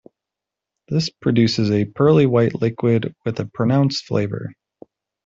This produces a pearly-white liquid with a pronounced flavor.